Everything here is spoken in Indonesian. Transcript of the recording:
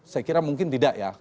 saya kira mungkin tidak ya